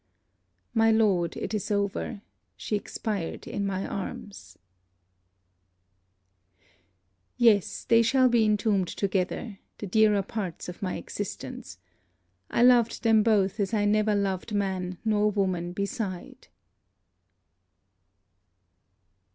My Lord it is over. She expired in my arms. Yes, they shall be entombed together the dearer parts of my existence. I loved them both as I never loved man nor woman beside.